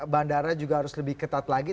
bandara juga harus lebih ketat lagi